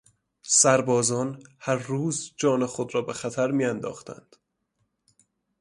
سربازان هر روز جان خود را به خطر میانداختند.